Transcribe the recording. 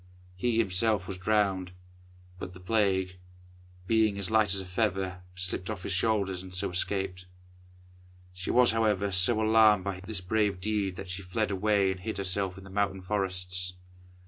He himself was drowned, but the Plague, being as light as a feather, slipped off his shoulders, and so escaped. She was, however, so alarmed by this brave deed that she fled away and hid herself in the mountain forests.